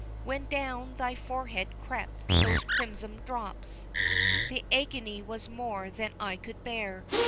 When down thy forehead crept those crimson drops The agony was more than I could bear.